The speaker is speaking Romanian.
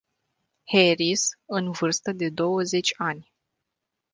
Haris, în vârstă de douăzeci ani.